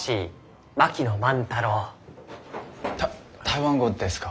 た台湾語ですか？